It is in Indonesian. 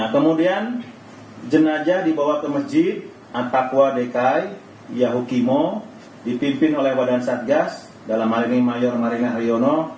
kemudian jenajah dibawa ke masjid attaqwa dki yahukimo dipimpin oleh badan satgas dalam hal ini mayor marinah haryono